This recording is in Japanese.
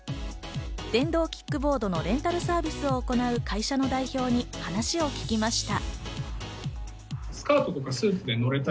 電動キックボードのレンタルサービスを行う会社の代表に話を聞きました。